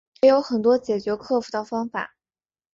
也有很多解决克服的方法